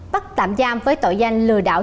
bắt tạm giam với tội danh lừa đảo